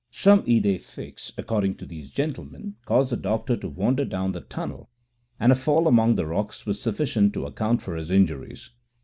Some idee fixe, according to these gentlemen, caused the doctor to wander down the tunnel, and a fall among the rocks was sufficient to account for his injuries.